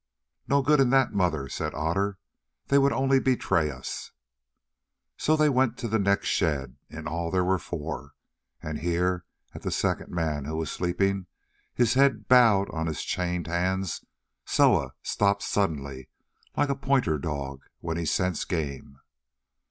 "No good in that, mother," said Otter; "they would only betray us." So they went to the next shed—in all there were four—and here at the second man who was sleeping, his head bowed on his chained hands, Soa stopped suddenly like a pointer dog when he scents game.